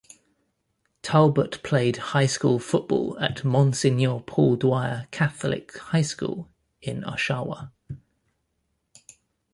Talbot played high school football at Monsignor Paul Dwyer Catholic High School in Oshawa.